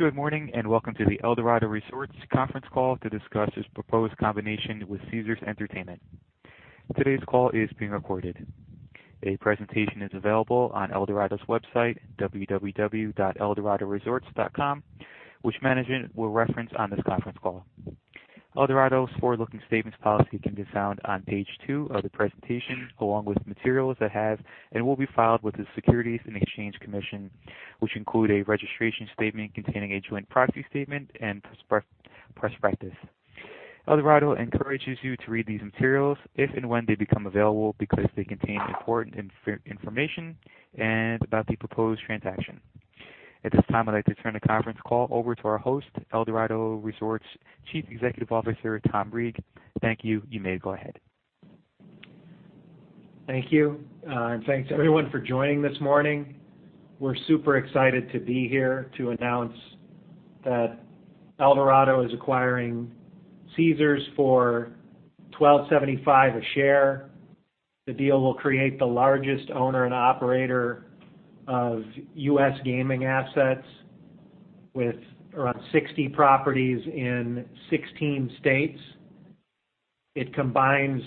Good morning, and welcome to the Eldorado Resorts conference call to discuss its proposed combination with Caesars Entertainment. Today's call is being recorded. A presentation is available on Eldorado's website, www.eldoradoresorts.com, which management will reference on this conference call. Eldorado's forward-looking statements policy can be found on page two of the presentation, along with materials that have and will be filed with the Securities and Exchange Commission, which include a registration statement containing a joint proxy statement and prospectus. Eldorado encourages you to read these materials if and when they become available, because they contain important information about the proposed transaction. At this time, I'd like to turn the conference call over to our host, Eldorado Resorts Chief Executive Officer, Tom Reeg. Thank you. You may go ahead. Thank you. Thanks everyone for joining this morning. We're super excited to be here to announce that Eldorado is acquiring Caesars for $12.75 a share. The deal will create the largest owner and operator of U.S. gaming assets with around 60 properties in 16 states. It combines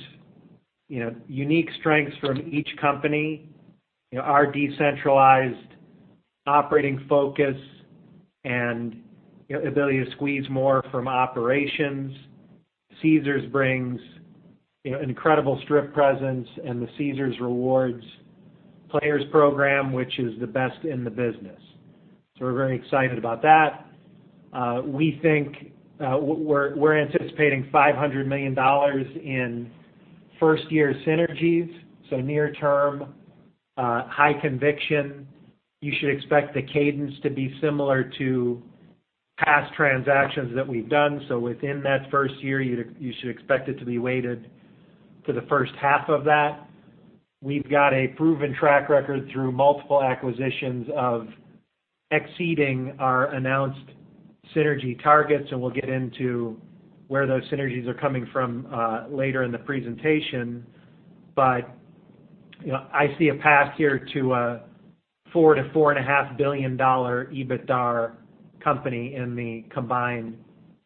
unique strengths from each company, our decentralized operating focus and ability to squeeze more from operations. Caesars brings an incredible strip presence and the Caesars Rewards players program, which is the best in the business. We're very excited about that. We're anticipating $500 million in first year synergies, near term, high conviction. You should expect the cadence to be similar to past transactions that we've done. Within that first year, you should expect it to be weighted to the first half of that. We've got a proven track record through multiple acquisitions of exceeding our announced synergy targets. We'll get into where those synergies are coming from, later in the presentation. I see a path here to a $4 billion-$4.5 billion EBITDA company in the combined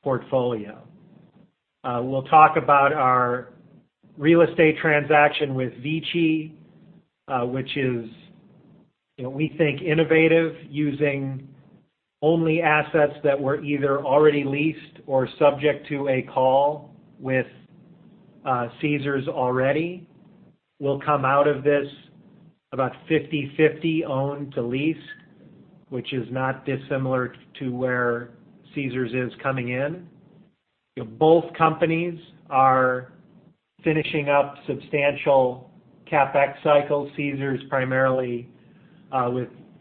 portfolio. We'll talk about our real estate transaction with VICI, which is, we think, innovative, using only assets that were either already leased or subject to a call with Caesars already, will come out of this about 50/50 owned to lease, which is not dissimilar to where Caesars is coming in. Both companies are finishing up substantial CapEx cycles. Caesars primarily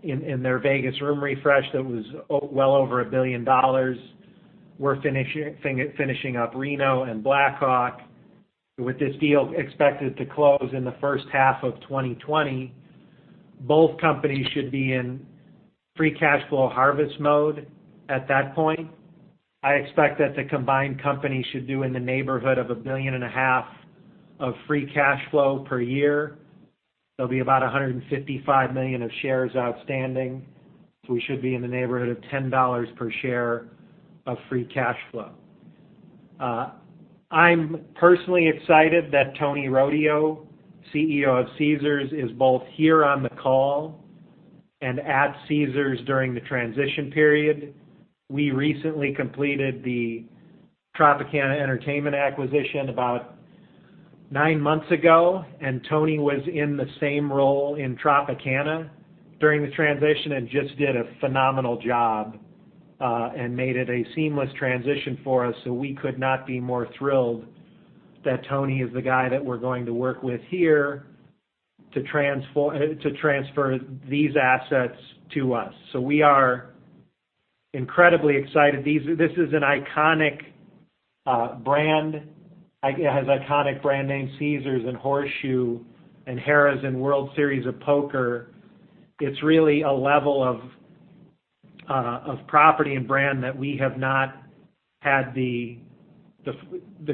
in their Vegas room refresh, that was well over $1 billion. We're finishing up Reno and Black Hawk. With this deal expected to close in the first half of 2020, both companies should be in free cash flow harvest mode at that point. I expect that the combined company should do in the neighborhood of $1.5 billion of free cash flow per year. There'll be about 155 million of shares outstanding. We should be in the neighborhood of $10 per share of free cash flow. I'm personally excited that Tony Rodio, CEO of Caesars, is both here on the call and at Caesars during the transition period. We recently completed the Tropicana Entertainment acquisition about nine months ago. Tony was in the same role in Tropicana during the transition and just did a phenomenal job, and made it a seamless transition for us. We could not be more thrilled that Tony is the guy that we're going to work with here to transfer these assets to us. We are incredibly excited. This is an iconic brand. It has iconic brand names, Caesars and Horseshoe and Harrah's and World Series of Poker. It's really a level of property and brand that we have not had the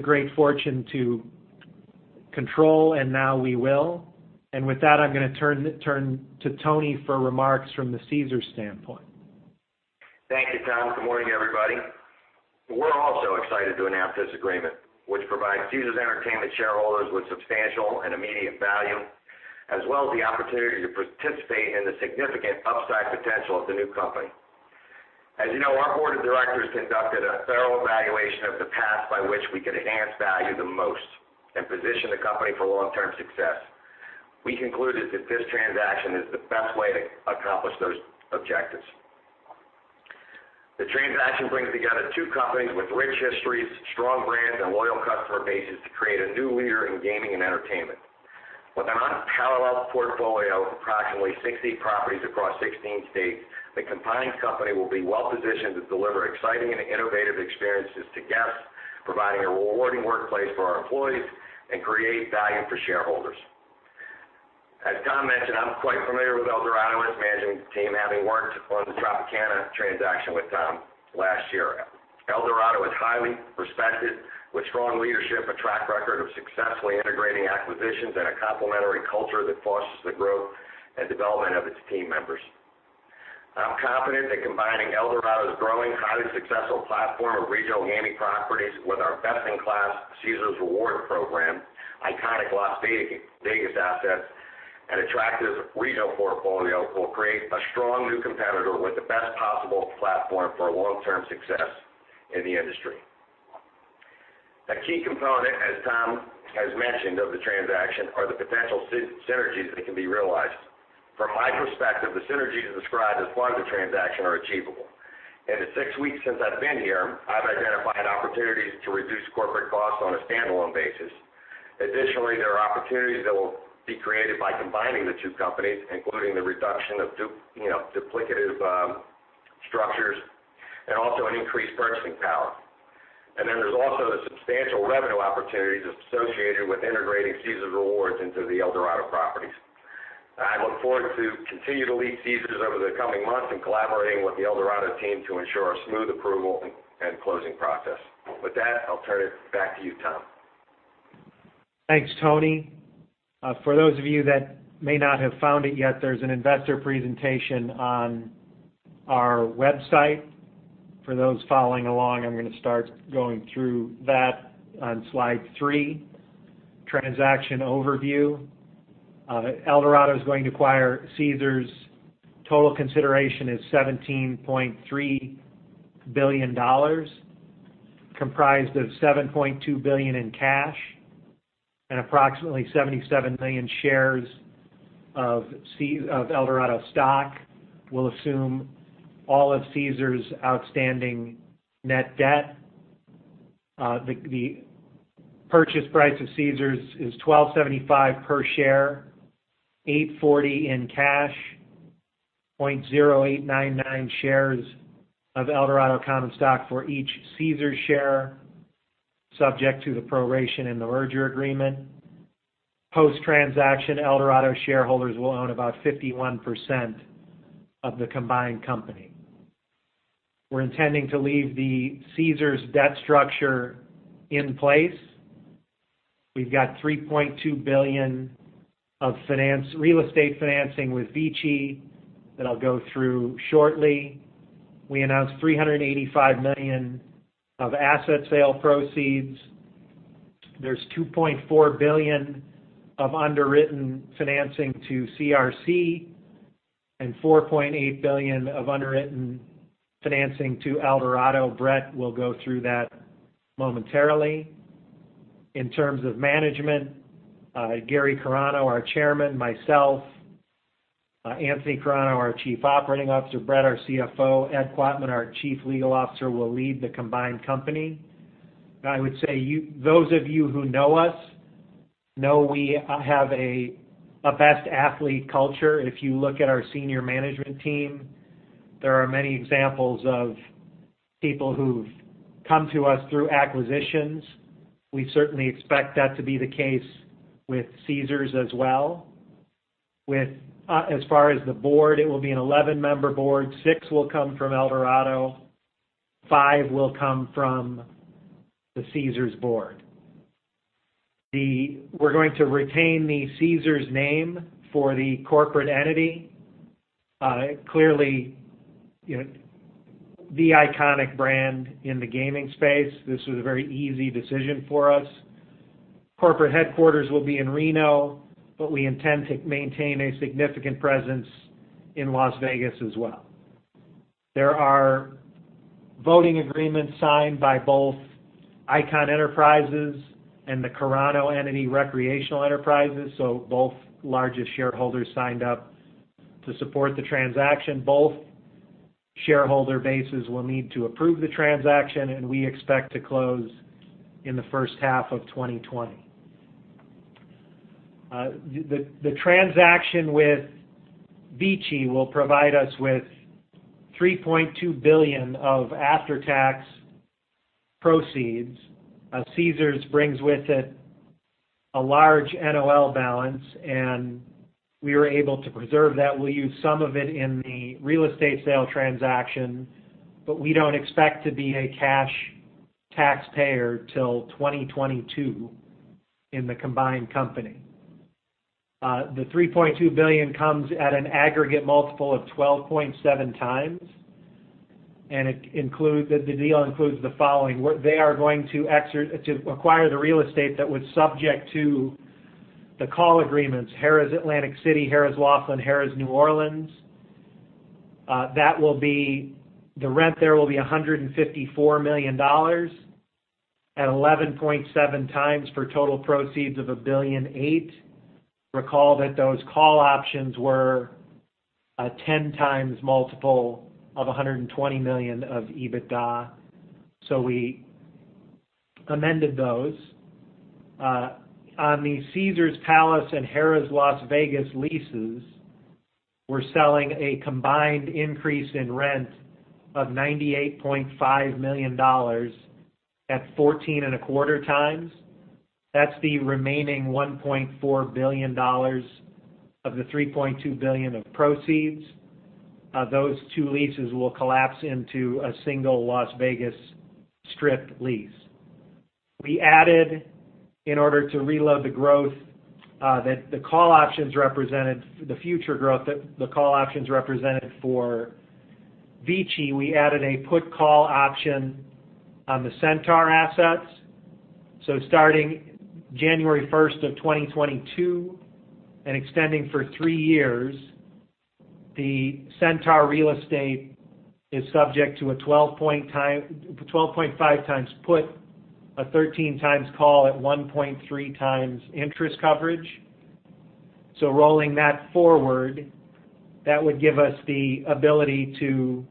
great fortune to control, and now we will. With that, I'm going to turn to Tony for remarks from the Caesars standpoint. Thank you, Tom. Good morning, everybody. We're also excited to announce this agreement, which provides Caesars Entertainment shareholders with substantial and immediate value, as well as the opportunity to participate in the significant upside potential of the new company. As you know, our board of directors conducted a thorough evaluation of the path by which we could enhance value the most and position the company for long-term success. We concluded that this transaction is the best way to accomplish those objectives. The transaction brings together two companies with rich histories, strong brands, and loyal customer bases to create a new leader in gaming and entertainment. With an unparalleled portfolio of approximately 60 properties across 16 states, the combined company will be well-positioned to deliver exciting and innovative experiences to guests, providing a rewarding workplace for our employees, and create value for shareholders. As Tom mentioned, I'm quite familiar with Eldorado and its management team, having worked on the Tropicana transaction with Tom last year. Eldorado is highly respected with strong leadership, a track record of successfully integrating acquisitions, and a complementary culture that fosters the growth and development of its team members. I'm confident that combining Eldorado's growing, highly successful platform of regional gaming properties with our best-in-class Caesars Rewards program, iconic Las Vegas assets, and attractive regional portfolio will create a strong new competitor with the best possible platform for long-term success in the industry. A key component, as Tom has mentioned, of the transaction, are the potential synergies that can be realized. From my perspective, the synergies described as part of the transaction are achievable. In the six weeks since I've been here, I've identified opportunities to reduce corporate costs on a standalone basis. Additionally, there are opportunities that will be created by combining the two companies, including the reduction of duplicative structures, and also an increased purchasing power. There's also the substantial revenue opportunities associated with integrating Caesars Rewards into the Eldorado properties. I look forward to continue to lead Caesars over the coming months in collaborating with the Eldorado team to ensure a smooth approval and closing process. With that, I'll turn it back to you, Tom. Thanks, Tony. For those of you that may not have found it yet, there's an investor presentation on our website. For those following along, I'm going to start going through that on slide three, transaction overview. Eldorado is going to acquire Caesars. Total consideration is $17.3 billion, comprised of $7.2 billion in cash and approximately 77 million shares of Eldorado stock. We'll assume all of Caesars' outstanding net debt. The purchase price of Caesars is $12.75 per share, $8.40 in cash, 0.0899 shares of Eldorado common stock for each Caesars share, subject to the proration in the merger agreement. Post-transaction, Eldorado shareholders will own about 51% of the combined company. We're intending to leave the Caesars debt structure in place. We've got $3.2 billion of real estate financing with VICI that I'll go through shortly. We announced $385 million of asset sale proceeds. There's $2.4 billion of underwritten financing to CRC and $4.8 billion of underwritten financing to Eldorado. Bret will go through that momentarily. In terms of management, Gary Carano, our Chairman, myself, Anthony Carano, our Chief Operating Officer, Bret, our CFO, Ed Quatmann, our Chief Legal Officer, will lead the combined company. I would say, those of you who know us know we have a best athlete culture. If you look at our senior management team, there are many examples of people who've come to us through acquisitions. We certainly expect that to be the case with Caesars as well. As far as the board, it will be an 11-member board. Six will come from Eldorado, five will come from the Caesars board. We're going to retain the Caesars name for the corporate entity. Clearly, the iconic brand in the gaming space. This was a very easy decision for us. Corporate headquarters will be in Reno, but we intend to maintain a significant presence in Las Vegas as well. There are voting agreements signed by both Icahn Enterprises and the Carano entity Recreational Enterprises. Both largest shareholders signed up to support the transaction. Both shareholder bases will need to approve the transaction, and we expect to close in the first half of 2020. The transaction with VICI will provide us with $3.2 billion of after-tax proceeds. Caesars brings with it a large NOL balance, and we were able to preserve that. We'll use some of it in the real estate sale transaction, but we don't expect to be a cash taxpayer till 2022 in the combined company. The $3.2 billion comes at an aggregate multiple of 12.7 times, and the deal includes the following. They are going to acquire the real estate that was subject to the call agreements, Harrah's Atlantic City, Harrah's Laughlin, Harrah's New Orleans. The rent there will be $154 million at 11.7 times for total proceeds of $1.8 billion. Recall that those call options were a 10 times multiple of $120 million of EBITDA. We amended those. On the Caesars Palace and Harrah's Las Vegas leases, we're selling a combined increase in rent of $98.5 million at 14.25 times. That's the remaining $1.4 billion of the $3.2 billion of proceeds. Those two leases will collapse into a single Las Vegas Strip lease. We added, in order to reload the growth that the call options represented, the future growth that the call options represented for VICI, we added a put call option on the Centaur assets. Starting January 1st, 2022 and extending for three years, the Centaur real estate is subject to a 12.5x put, a 13x call at 1.3x interest coverage. Rolling that forward, that would give us the ability to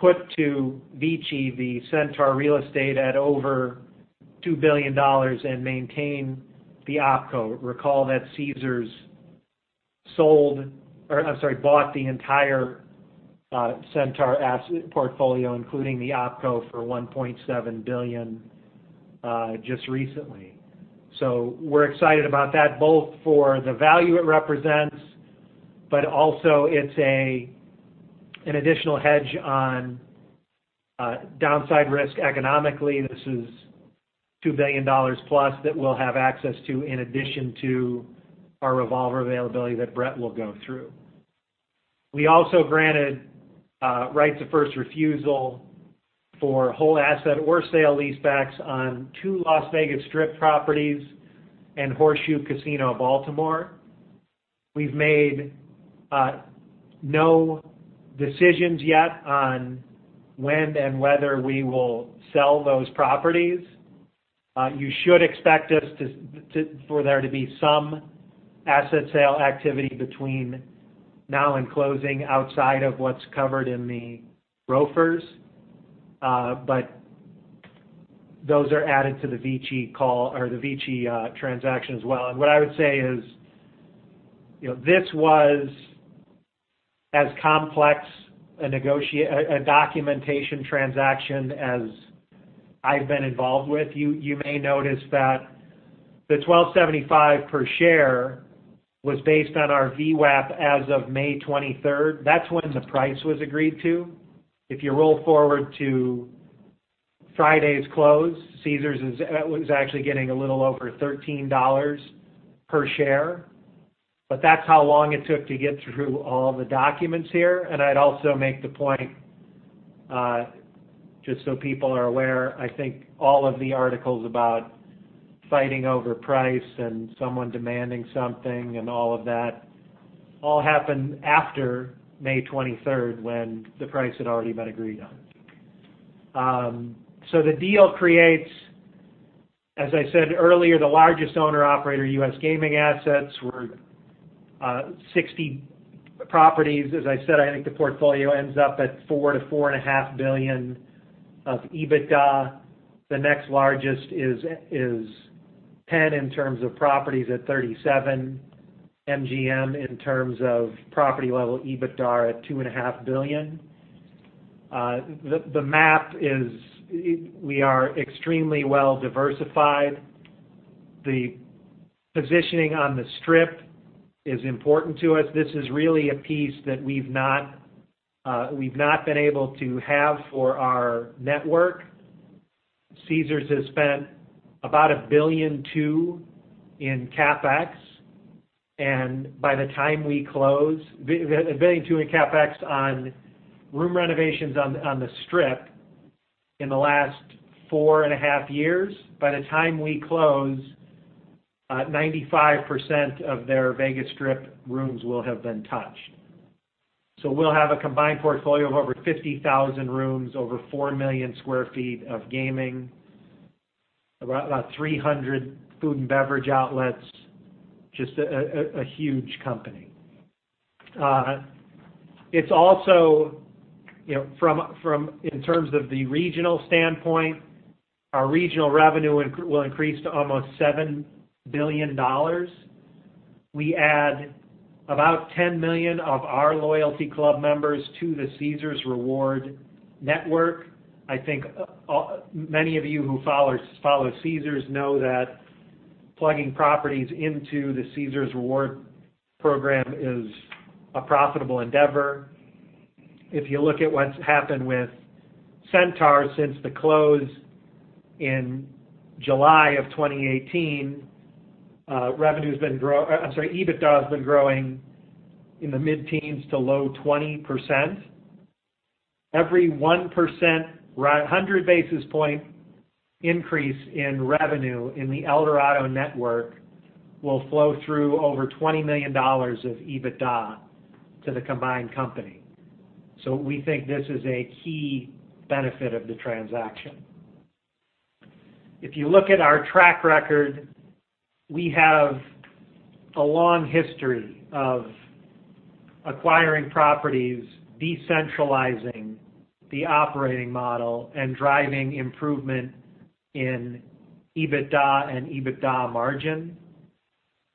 put to VICI the Centaur real estate at over $2 billion and maintain the OpCo. Recall that Caesars bought the entire Centaur asset portfolio, including the OpCo, for $1.7 billion just recently. We're excited about that, both for the value it represents, but also it's an additional hedge on downside risk economically. This is $2 billion plus that we'll have access to in addition to our revolver availability that Bret will go through. We also granted rights of first refusal for whole asset or sale leasebacks on two Las Vegas Strip properties and Horseshoe Casino Baltimore. We've made no decisions yet on when and whether we will sell those properties. You should expect for there to be some asset sale activity between now and closing outside of what's covered in the ROFRs. Those are added to the VICI transaction as well. What I would say is, this was as complex a documentation transaction as I've been involved with. You may notice that the $12.75 per share was based on our VWAP as of May 23rd. That's when the price was agreed to. If you roll forward to Friday's close, Caesars was actually getting a little over $13 per share. That's how long it took to get through all the documents here. I'd also make the point, just so people are aware, I think all of the articles about fighting over price and someone demanding something and all of that, all happened after May 23rd, when the price had already been agreed on. The deal creates, as I said earlier, the largest owner operator U.S. gaming assets were 60 properties. As I said, I think the portfolio ends up at $4 billion-$4.5 billion of EBITDA. The next largest is Penn in terms of properties at 37, MGM in terms of property level EBITDA at $2.5 billion. The map is we are extremely well-diversified. The positioning on the Strip is important to us. This is really a piece that we've not been able to have for our network. Caesars has spent about a billion two in CapEx, and by the time we close a billion two in CapEx on room renovations on the Strip in the last four and a half years. By the time we close, 95% of their Vegas Strip rooms will have been touched. We'll have a combined portfolio of over 50,000 rooms, over four million square feet of gaming, about 300 food and beverage outlets, just a huge company. In terms of the regional standpoint, our regional revenue will increase to almost $7 billion. We add about 10 million of our loyalty club members to the Caesars Rewards network. I think many of you who follow Caesars know that plugging properties into the Caesars Rewards program is a profitable endeavor. If you look at what's happened with Centaur since the close in July of 2018, revenue has been I'm sorry, EBITDA has been growing in the mid-teens to low 20%. Every 1%, 100 basis point increase in revenue in the Eldorado network will flow through over $20 million of EBITDA to the combined company. We think this is a key benefit of the transaction. If you look at our track record, we have a long history of acquiring properties, decentralizing the operating model, and driving improvement in EBITDA and EBITDA margin.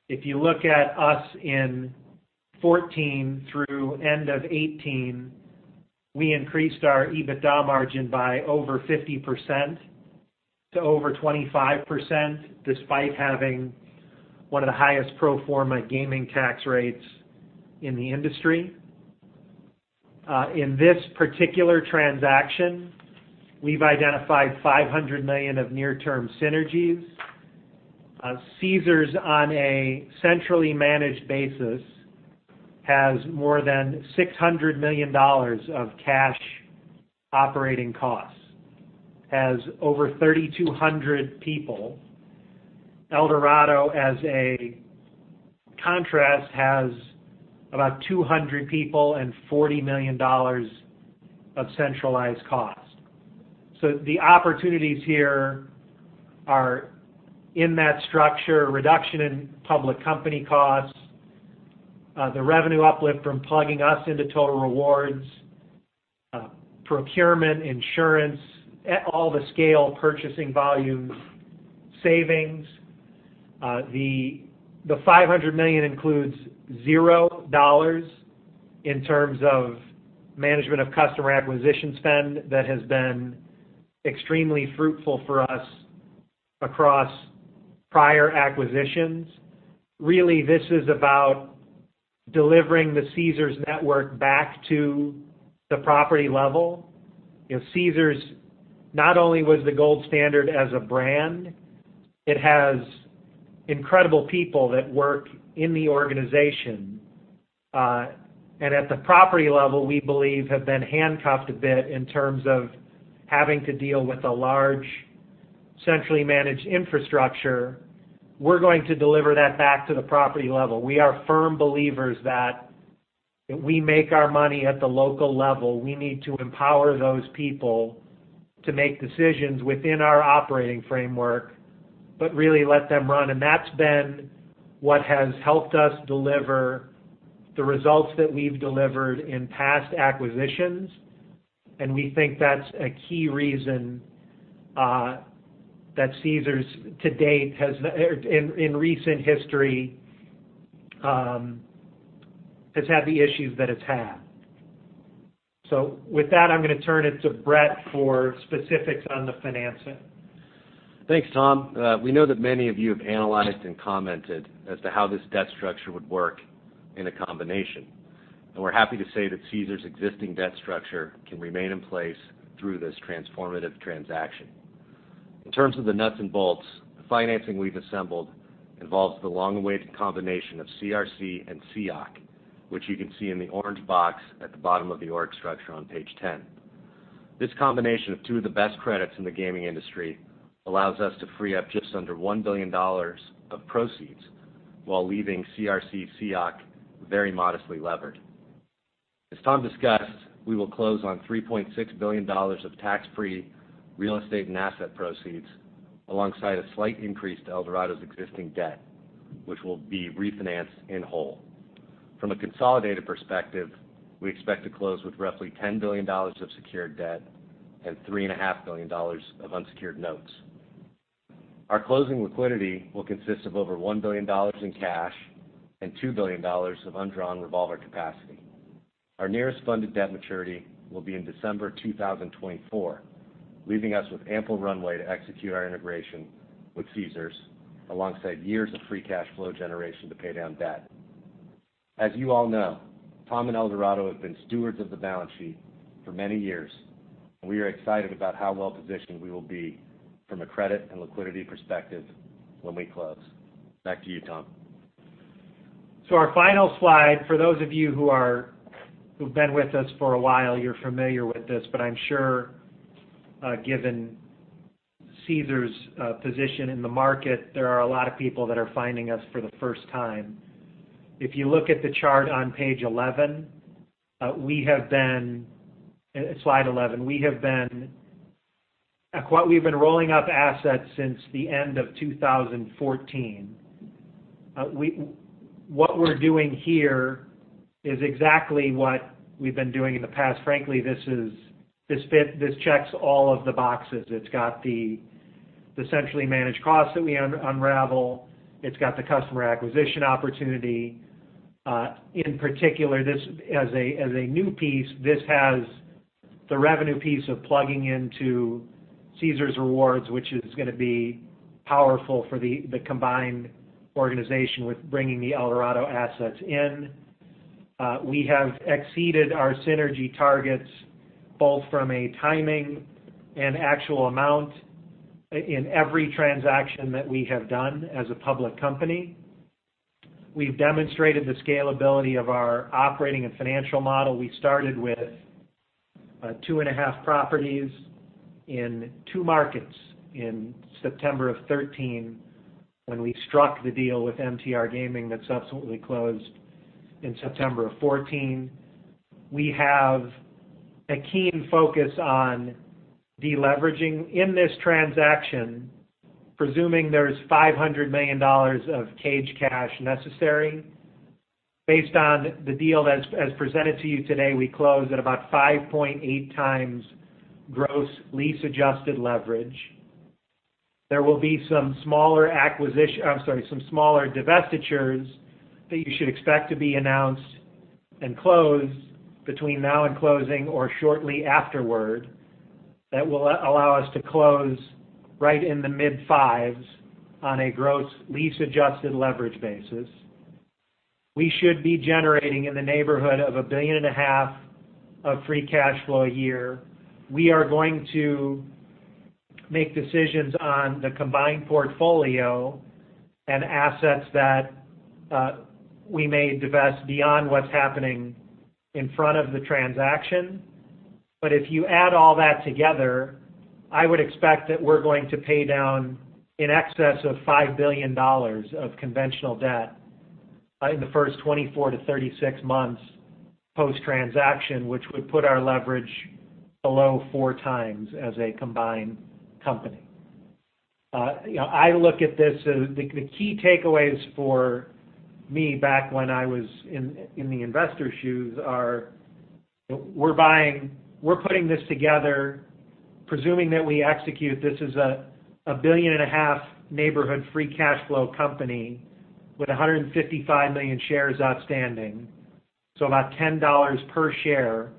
If you look at us in 2014 through end of 2018, we increased our EBITDA margin by over 50% to over 25%, despite having one of the highest pro forma gaming tax rates in the industry. In this particular transaction, we've identified $500 million of near-term synergies. Caesars, on a centrally managed basis, has more than $600 million of cash operating costs, has over 3,200 people. Eldorado, as a contrast, has about 200 people and $40 million of centralized cost. The opportunities here are in that structure, reduction in public company costs, the revenue uplift from plugging us into Caesars Rewards, procurement, insurance, all the scale purchasing volume savings. The $500 million includes $0 in terms of management of customer acquisition spend that has been extremely fruitful for us across prior acquisitions. This is about delivering the Caesars network back to the property level. Caesars not only was the gold standard as a brand, it has incredible people that work in the organization. And at the property level, we believe have been handcuffed a bit in terms of having to deal with a large, centrally managed infrastructure. We're going to deliver that back to the property level. We are firm believers that if we make our money at the local level, we need to empower those people to make decisions within our operating framework, but really let them run. That's been what has helped us deliver the results that we've delivered in past acquisitions, and we think that's a key reason that Caesars, to date, in recent history, has had the issues that it's had. With that, I'm going to turn it to Bret for specifics on the financing. Thanks, Tom. We know that many of you have analyzed and commented as to how this debt structure would work in a combination, and we're happy to say that Caesars existing debt structure can remain in place through this transformative transaction. In terms of the nuts and bolts, the financing we've assembled involves the long-awaited combination of CRC and CEOC, which you can see in the orange box at the bottom of the org structure on page 10. This combination of two of the best credits in the gaming industry allows us to free up just under $1 billion of proceeds while leaving CRC/CEOC very modestly levered. As Tom discussed, we will close on $3.6 billion of tax-free real estate and asset proceeds, alongside a slight increase to Eldorado's existing debt, which will be refinanced in whole. From a consolidated perspective, we expect to close with roughly $10 billion of secured debt and $3.5 billion of unsecured notes. Our closing liquidity will consist of over $1 billion in cash and $2 billion of undrawn revolver capacity. Our nearest funded debt maturity will be in December 2024, leaving us with ample runway to execute our integration with Caesars, alongside years of free cash flow generation to pay down debt. As you all know, Tom and Eldorado have been stewards of the balance sheet for many years, and we are excited about how well-positioned we will be from a credit and liquidity perspective when we close. Back to you, Tom. Our final slide, for those of you who've been with us for a while, you're familiar with this, but I'm sure given Caesars' position in the market, there are a lot of people that are finding us for the first time. If you look at the chart on page 11, Slide 11, we've been rolling up assets since the end of 2014. What we're doing here is exactly what we've been doing in the past. Frankly, this checks all of the boxes. It's got the centrally managed costs that we unravel. It's got the customer acquisition opportunity. In particular, as a new piece, this has the revenue piece of plugging into Caesars Rewards, which is going to be powerful for the combined organization with bringing the Eldorado assets in. We have exceeded our synergy targets, both from a timing and actual amount in every transaction that we have done as a public company. We've demonstrated the scalability of our operating and financial model. We started with two and a half properties in two markets in September of 2013, when we struck the deal with MTR Gaming that subsequently closed in September of 2014. We have a keen focus on deleveraging. In this transaction, presuming there's $500 million of cage cash necessary. Based on the deal as presented to you today, we closed at about 5.8 times gross lease-adjusted leverage. There will be some smaller divestitures that you should expect to be announced and closed between now and closing or shortly afterward that will allow us to close right in the mid-fives on a gross lease-adjusted leverage basis. We should be generating in the neighborhood of a billion and a half of free cash flow a year. We are going to make decisions on the combined portfolio and assets that we may divest beyond what's happening in front of the transaction. If you add all that together, I would expect that we're going to pay down in excess of $5 billion of conventional debt in the first 24 to 36 months post-transaction, which would put our leverage below 4 times as a combined company. I look at this, the key takeaways for me back when I was in the investor's shoes are, we're putting this together presuming that we execute. This is a billion-and-a-half neighborhood free cash flow company with 155 million shares outstanding, so about $10 per share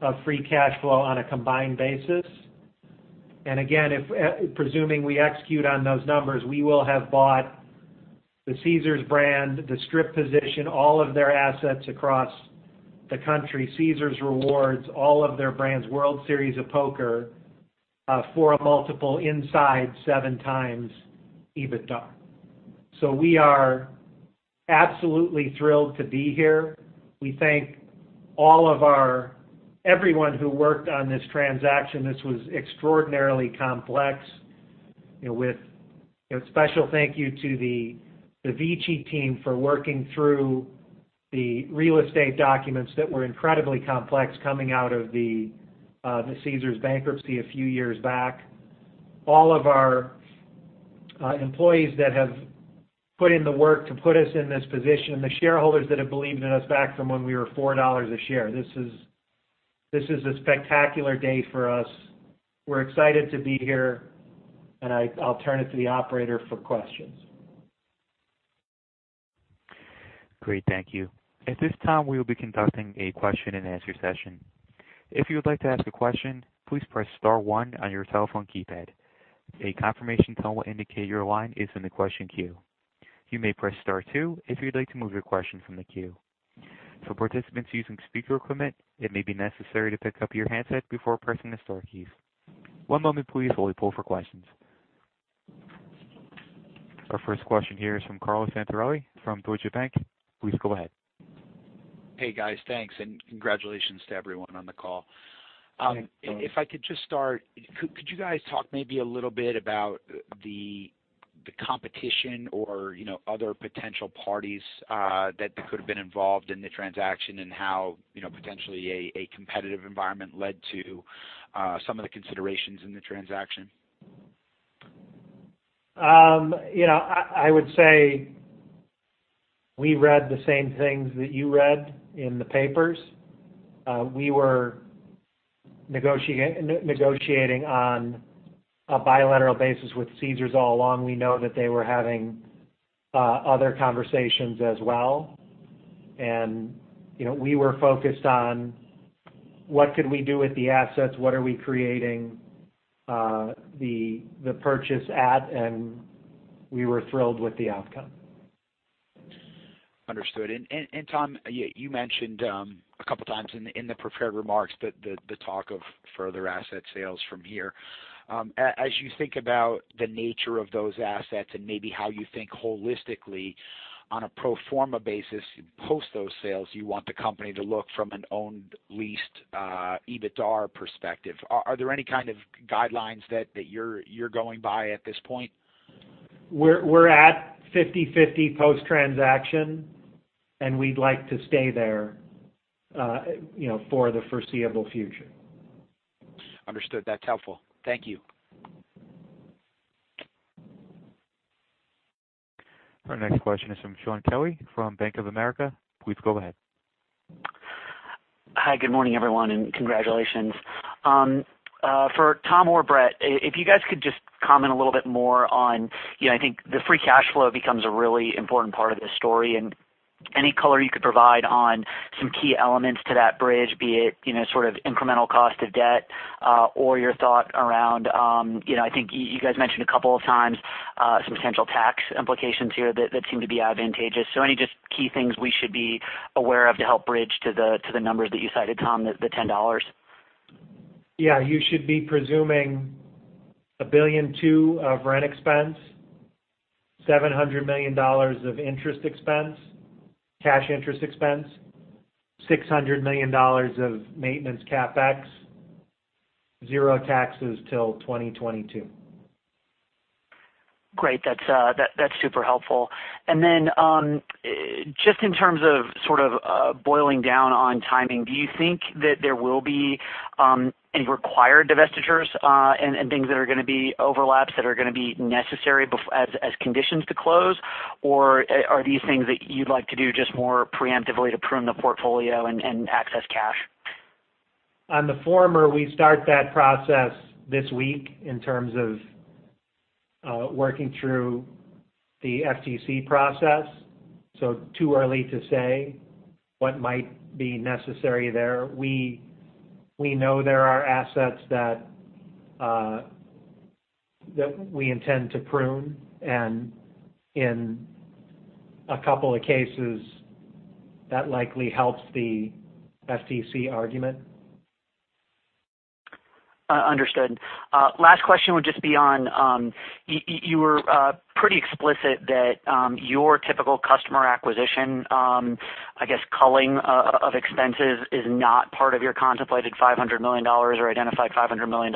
of free cash flow on a combined basis. Presuming we execute on those numbers, we will have bought the Caesars brand, the Strip position, all of their assets across the country, Caesars Rewards, all of their brands, World Series of Poker, for a multiple inside seven times EBITDA. We are absolutely thrilled to be here. We thank everyone who worked on this transaction. This was extraordinarily complex. A special thank you to the VICI team for working through the real estate documents that were incredibly complex coming out of the Caesars bankruptcy a few years back. All of our employees that have put in the work to put us in this position, the shareholders that have believed in us back from when we were $4 a share. This is a spectacular day for us. We're excited to be here, and I'll turn it to the operator for questions. Great, thank you. At this time, we will be conducting a question-and-answer session. If you would like to ask a question, please press star one on your telephone keypad. A confirmation tone will indicate your line is in the question queue. You may press star two if you'd like to move your question from the queue. For participants using speaker equipment, it may be necessary to pick up your handset before pressing the star keys. One moment please while we poll for questions. Our first question here is from Carlo Santarelli from Deutsche Bank. Please go ahead. Hey, guys. Thanks. Congratulations to everyone on the call. Thanks, Carlo. If I could just start, could you guys talk maybe a little bit about the competition or other potential parties that could have been involved in the transaction and how potentially a competitive environment led to some of the considerations in the transaction? I would say we read the same things that you read in the papers. We were negotiating on a bilateral basis with Caesars all along. We know that they were having other conversations as well. We were focused on what could we do with the assets, what are we creating the purchase at, and we were thrilled with the outcome. Understood. Tom, you mentioned a couple of times in the prepared remarks the talk of further asset sales from here. As you think about the nature of those assets and maybe how you think holistically on a pro forma basis post those sales, you want the company to look from an owned, leased, EBITDA perspective. Are there any kind of guidelines that you're going by at this point? We're at 50/50 post-transaction, we'd like to stay there for the foreseeable future. Understood. That's helpful. Thank you. Our next question is from Shaun Kelley from Bank of America. Please go ahead. Hi, good morning, everyone, and congratulations. For Tom or Bret, if you guys could just comment a little bit more on, I think the free cash flow becomes a really important part of the story, and any color you could provide on some key elements to that bridge, be it sort of incremental cost of debt or your thought around, I think you guys mentioned a couple of times some potential tax implications here that seem to be advantageous. Any just key things we should be aware of to help bridge to the numbers that you cited, Tom, the $10? Yeah, you should be presuming $1.2 billion of rent expense, $700 million of interest expense, cash interest expense, $600 million of maintenance CapEx, 0 taxes till 2022. Great. That's super helpful. Then just in terms of sort of boiling down on timing, do you think that there will be any required divestitures and things that are going to be overlaps that are going to be necessary as conditions to close? Or are these things that you'd like to do just more preemptively to prune the portfolio and access cash? On the former, we start that process this week in terms of working through the FTC process. Too early to say what might be necessary there. We know there are assets that we intend to prune, and in a couple of cases, that likely helps the FTC argument. Understood. Last question would just be on, you were pretty explicit that your typical customer acquisition, I guess culling of expenses is not part of your contemplated $500 million or identified $500 million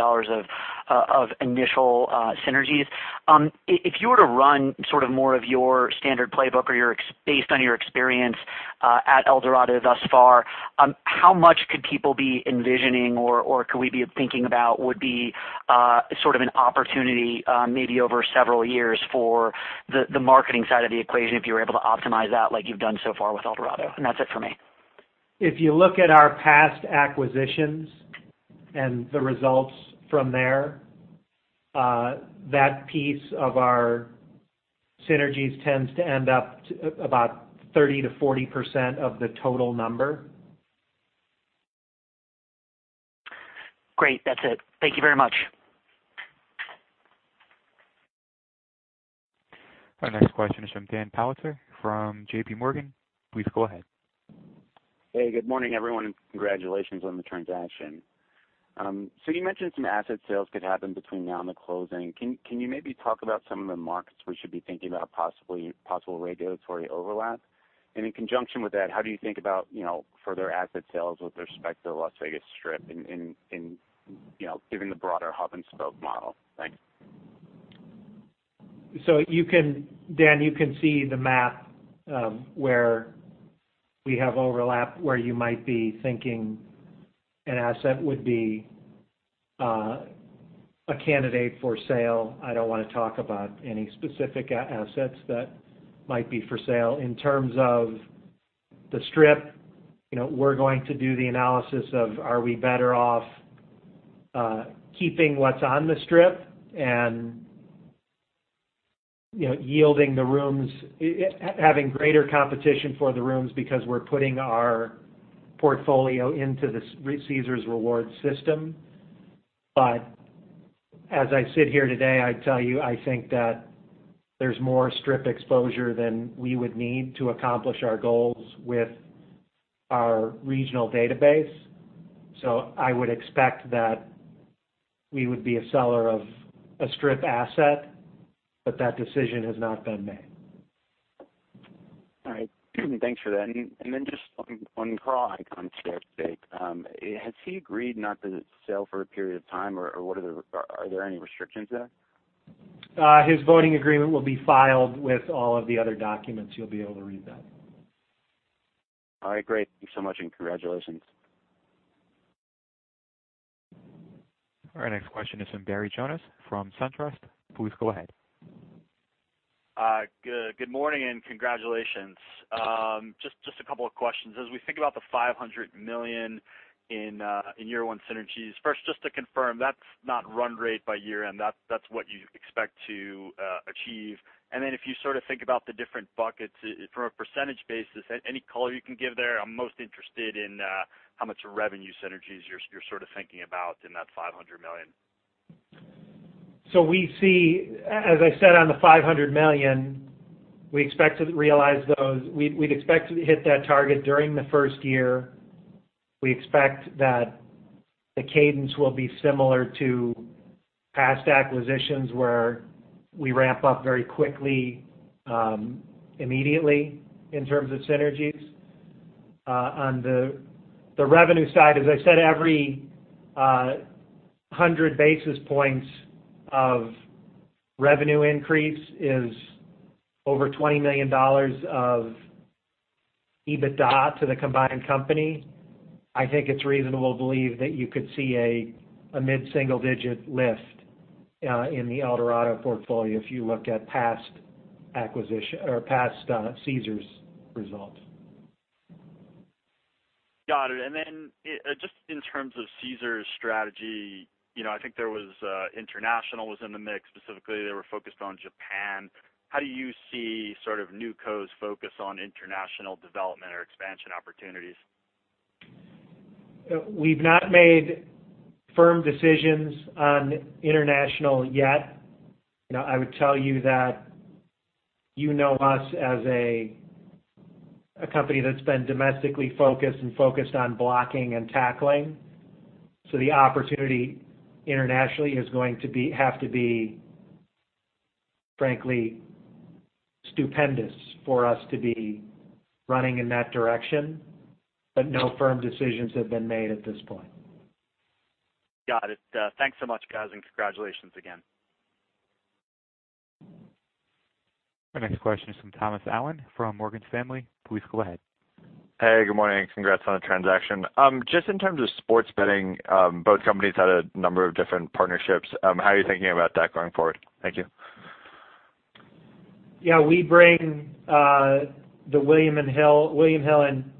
of initial synergies. If you were to run more of your standard playbook or based on your experience at Eldorado thus far, how much could people be envisioning or could we be thinking about would be sort of an opportunity maybe over several years for the marketing side of the equation if you were able to optimize that like you've done so far with Eldorado? That's it for me. If you look at our past acquisitions and the results from there, that piece of our synergies tends to end up about 30%-40% of the total number. Great. That's it. Thank you very much. Our next question is from Daniel Politzer from JPMorgan. Please go ahead. Hey, good morning, everyone, and congratulations on the transaction. You mentioned some asset sales could happen between now and the closing. Can you maybe talk about some of the markets we should be thinking about possible regulatory overlap? In conjunction with that, how do you think about further asset sales with respect to the Las Vegas Strip and given the broader hub and spoke model? Thanks. Dan, you can see the map, where we have overlap, where you might be thinking an asset would be a candidate for sale. I don't want to talk about any specific assets that might be for sale. In terms of the Strip, we're going to do the analysis of, are we better off keeping what's on the Strip and yielding the rooms, having greater competition for the rooms because we're putting our portfolio into this Caesars Rewards system. But as I sit here today, I'd tell you, I think that there's more Strip exposure than we would need to accomplish our goals with our regional database. I would expect that we would be a seller of a Strip asset, but that decision has not been made. All right. Thanks for that. Just on Carl Icahn share stake, has he agreed not to sell for a period of time, or are there any restrictions there? His voting agreement will be filed with all of the other documents. You'll be able to read that. All right, great. Thank you so much, and congratulations. Our next question is from Barry Jonas from SunTrust. Please go ahead. Good morning, and congratulations. Just a couple of questions. As we think about the $500 million in year 1 synergies, first, just to confirm, that's not run rate by year-end. That's what you expect to achieve. If you think about the different buckets from a percentage basis, any color you can give there? I'm most interested in how much revenue synergies you're thinking about in that $500 million. We see, as I said, on the $500 million, we'd expect to hit that target during the first year. We expect that the cadence will be similar to past acquisitions, where we ramp up very quickly, immediately in terms of synergies. On the revenue side, as I said, every 100 basis points of revenue increase is over $20 million of EBITDA to the combined company. I think it's reasonable to believe that you could see a mid-single-digit lift in the Eldorado portfolio if you looked at past Caesars results. Got it. Just in terms of Caesars strategy, I think international was in the mix. Specifically, they were focused on Japan. How do you see NewCo's focus on international development or expansion opportunities? We've not made firm decisions on international yet. I would tell you that you know us as a company that's been domestically focused and focused on blocking and tackling. The opportunity internationally is going to have to be, frankly, stupendous for us to be running in that direction, but no firm decisions have been made at this point. Got it. Thanks so much, guys. Congratulations again. Our next question is from Thomas Allen from Morgan Stanley. Please go ahead. Hey, good morning. Congrats on the transaction. Just in terms of sports betting, both companies had a number of different partnerships. How are you thinking about that going forward? Thank you. Yeah, we bring the William Hill and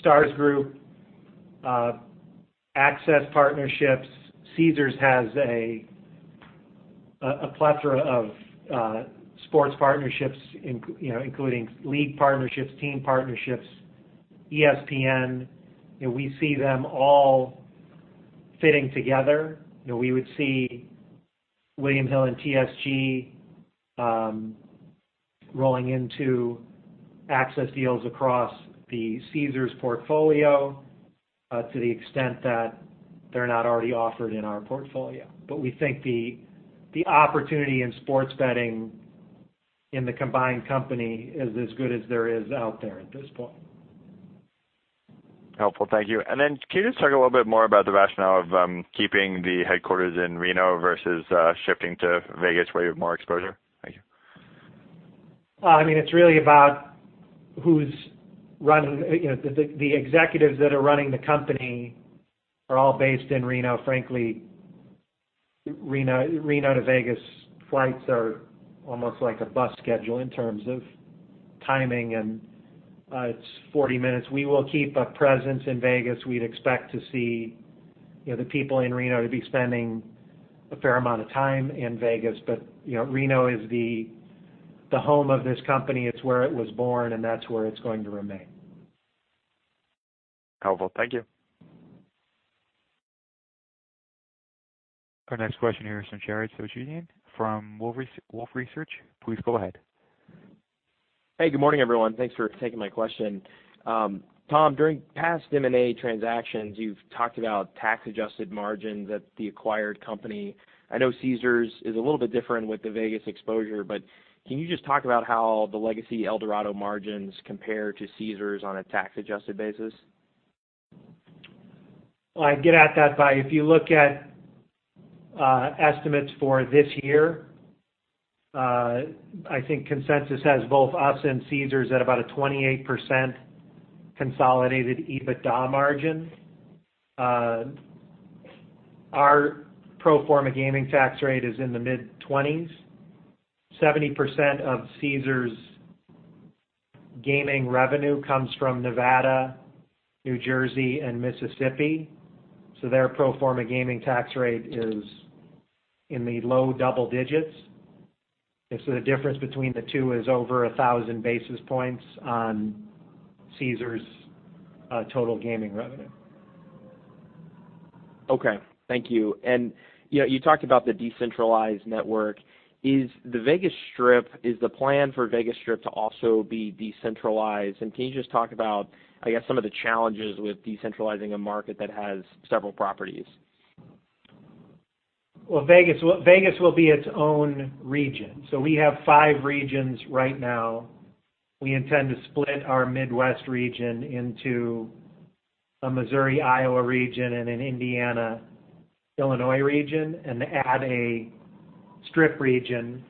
Stars Group access partnerships. Caesars has a plethora of sports partnerships including league partnerships, team partnerships, ESPN. We see them all fitting together. We would see William Hill and TSG rolling into access deals across the Caesars portfolio to the extent that they're not already offered in our portfolio. We think the opportunity in sports betting in the combined company is as good as there is out there at this point. Helpful. Thank you. Can you just talk a little bit more about the rationale of keeping the headquarters in Reno versus shifting to Vegas where you have more exposure? Thank you. It's really about The executives that are running the company are all based in Reno. Frankly, Reno to Vegas flights are almost like a bus schedule in terms of timing, and it's 40 minutes. We will keep a presence in Vegas. We'd expect to see the people in Reno to be spending a fair amount of time in Vegas. Reno is the home of this company. It's where it was born, and that's where it's going to remain. Helpful. Thank you. Our next question here is from Jared Shojaian from Wolfe Research. Please go ahead. Hey, good morning, everyone. Thanks for taking my question. Tom, during past M&A transactions, you've talked about tax-adjusted margins at the acquired company. I know Caesars is a little bit different with the Vegas exposure, but can you just talk about how the legacy Eldorado margins compare to Caesars on a tax-adjusted basis? I'd get at that by, if you look at estimates for this year, I think consensus has both us and Caesars at about a 28% consolidated EBITDA margin. Our pro forma gaming tax rate is in the mid-20s. 70% of Caesars' gaming revenue comes from Nevada, New Jersey, and Mississippi, so their pro forma gaming tax rate is in the low double digits. The difference between the two is over 1,000 basis points on Caesars' total gaming revenue. Okay. Thank you. You talked about the decentralized network. Is the plan for Vegas Strip to also be decentralized? Can you just talk about, I guess, some of the challenges with decentralizing a market that has several properties? Vegas will be its own region. We have five regions right now. We intend to split our Midwest region into a Missouri-Iowa region and an Indiana-Illinois region and add a Strip region.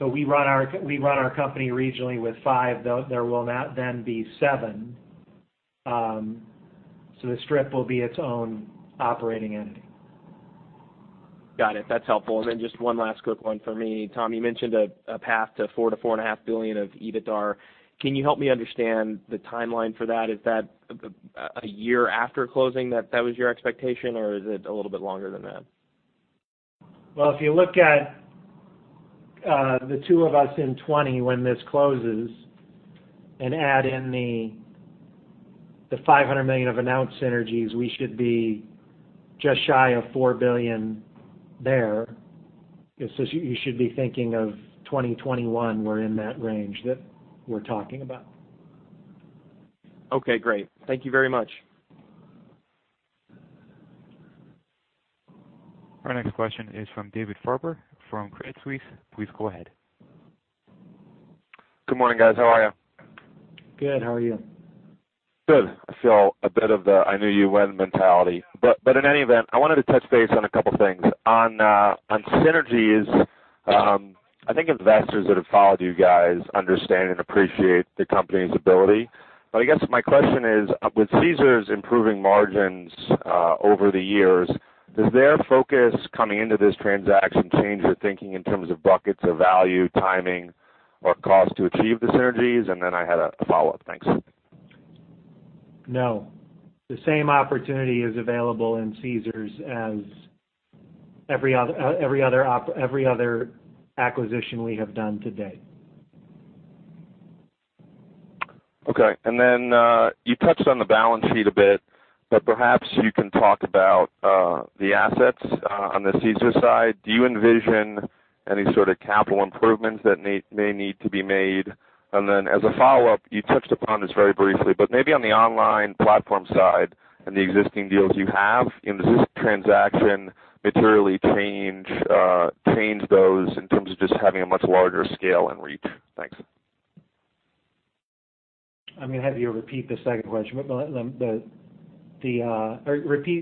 We run our company regionally with five, though there will now then be seven. The Strip will be its own operating entity. Got it. That's helpful. Then just one last quick one for me. Tom, you mentioned a path to $4 billion-$4.5 billion of EBITDAR. Can you help me understand the timeline for that? Is that a year after closing, that was your expectation, or is it a little bit longer than that? Well, if you look at the two of us in 2020, when this closes, and add in the $500 million of announced synergies, we should be just shy of $4 billion there. You should be thinking of 2021, we're in that range that we're talking about. Okay, great. Thank you very much. Our next question is from David Farber from Credit Suisse. Please go ahead. Good morning, guys. How are you? Good. How are you? Good. I feel a bit of the "I knew you when" mentality. In any event, I wanted to touch base on a couple of things. On synergies, I think investors that have followed you guys understand and appreciate the company's ability. I guess my question is, with Caesars improving margins over the years, does their focus coming into this transaction change your thinking in terms of buckets of value, timing, or cost to achieve the synergies? And then I had a follow-up. Thanks. No. The same opportunity is available in Caesars as every other acquisition we have done to date. Okay. Then, you touched on the balance sheet a bit, but perhaps you can talk about the assets on the Caesars side. Do you envision any sort of capital improvements that may need to be made? Then as a follow-up, you touched upon this very briefly, but maybe on the online platform side and the existing deals you have, in this transaction, materially change those in terms of just having a much larger scale and reach. Thanks. I'm going to have you repeat the second question.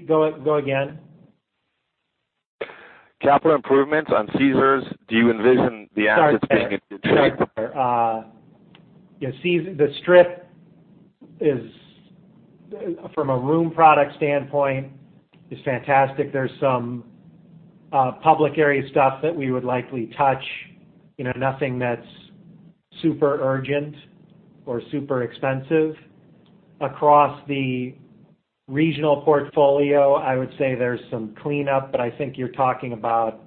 Go again. Capital improvements on Caesars. Do you envision the assets being improved? The Strip, from a room product standpoint, is fantastic. There's some public area stuff that we would likely touch. Nothing that's super urgent or super expensive. Across the regional portfolio, I would say there's some cleanup, but I think you're talking about,